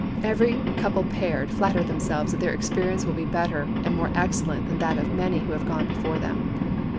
Every coupled pair flatter themselves that their experience will be better aid more excellent than that of many who have gone before them.